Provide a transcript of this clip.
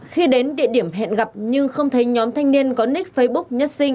khi đến địa điểm hẹn gặp nhưng không thấy nhóm thanh niên có ních facebook nhất sinh